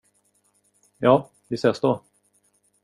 Ja, vi ses då.